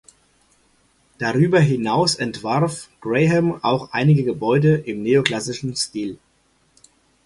Darüber hinaus entwarf Graham auch einige Gebäude im neoklassischen Stil.